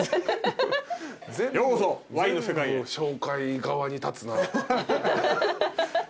紹介側に立つな。